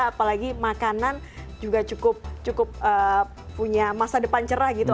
apalagi makanan juga cukup punya masa depan cerah gitu